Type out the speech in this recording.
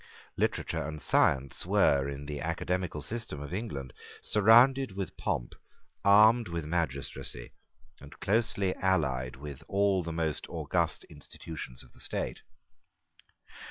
Literature and science were, in the academical system of England, surrounded with pomp, armed with magistracy, and closely allied with all the most august institutions of the state.